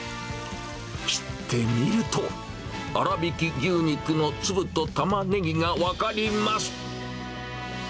切ってみると、粗びき牛肉の粒とタマネギが分かります。